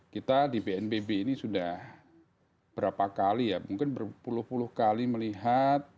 kita di bnpb ini sudah berapa kali ya mungkin berpuluh puluh kali melihat